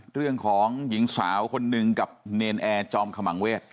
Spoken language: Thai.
เรื่องของหญิงสาวคนหนึ่งกับเนรนแอร์จอมขมังเวศ